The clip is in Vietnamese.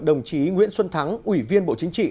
đồng chí nguyễn xuân thắng ủy viên bộ chính trị